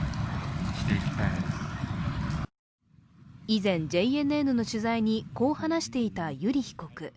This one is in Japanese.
以前、ＪＮＮの取材にこう話していた油利被告。